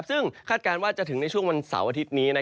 ซึ่งคาดการณ์ว่าจะถึงในช่วงวันเสาร์อาทิตย์นี้